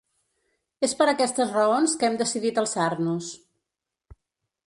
És per aquestes raons que hem decidit alçar-nos.